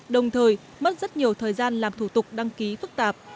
đồng thời mất rất nhiều thời gian làm thủ tục đăng ký phức tạp